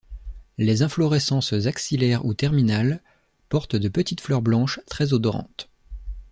Les inflorescences axillaires ou terminales portent de petites fleurs blanches, très odorantes.